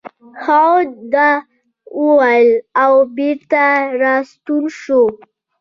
هغه دا وويل او بېرته راستون شو.